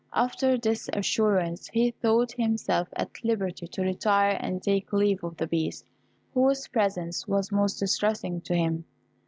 After this assurance he thought himself at liberty to retire and take leave of the Beast, whose presence was most distressing to him.